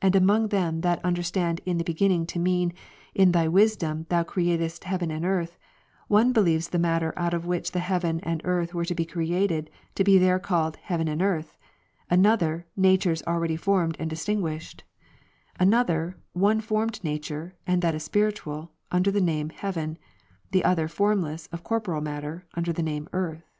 And among them that un derstand In the Beginning to mean, *^ In Thy Wisdom Thou createdst heaven and earth" one believes the matter out of which the heaven and earth were to be created, to be there called heaven and earth ; another, natures already formed and distinguished ; another, one formed nature, and that a spiritual, under the name Heaven, the other formless, of corporeal matter, under the name Earth.